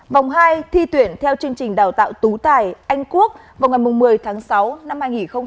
vòng hai thi tuyển theo chương trình đào tạo tú tài anh quốc vào ngày một mươi tháng sáu năm hai nghìn hai mươi